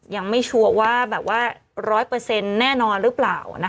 ยังไม่ชัวร์ว่าแบบว่า๑๐๐แน่นอนหรือเปล่านะคะ